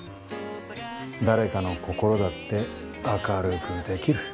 誰かの心だって明るくできる。